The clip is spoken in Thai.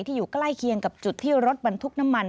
อยู่ใกล้เคียงกับจุดที่รถบรรทุกน้ำมัน